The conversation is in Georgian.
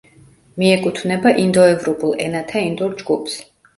მიეკუთვნება ინდოევროპულ ენათა ინდურ ჯგუფს.